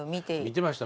見てました